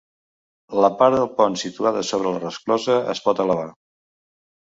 La part del pont situada sobre la resclosa es pot elevar.